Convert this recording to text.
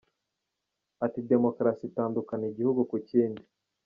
Ati “Demokarasi itandukana igihugu ku kindi.